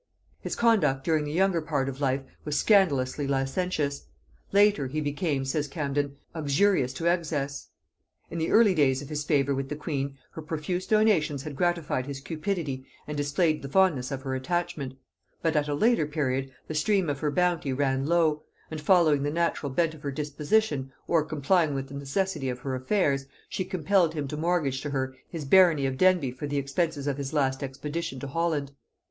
His conduct during the younger part of life was scandalously licentious: latterly he became, says Camden, uxorious to excess. In the early days of his favor with the queen, her profuse donations had gratified his cupidity and displayed the fondness of her attachment; but at a later period the stream of her bounty ran low; and following the natural bent of her disposition, or complying with the necessity of her affairs, she compelled him to mortgage to her his barony of Denbigh for the expenses of his last expedition to Holland.